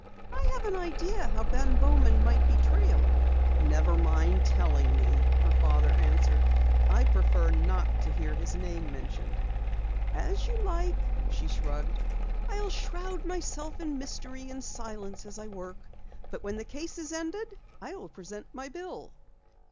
"I have an idea how Ben Bowman might be trailed!" "Never mind telling me," her father answered. "I prefer not to hear his name mentioned." "As you like," she shrugged. "I'll shroud myself in mystery and silence as I work. But when the case is ended, I'll present my bill!"